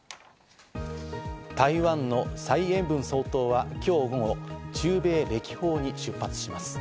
台湾のサイ・エイブン総統は今日午後、中米歴訪に出発します。